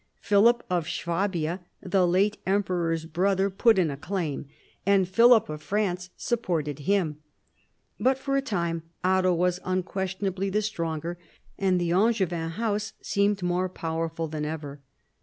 Philip of Swabia, the late emperor's brother, put in a claim, and Philip of France supported him, but for a time Otto was unquestionably the stronger, and the Angevin house seemed more powerful than ever.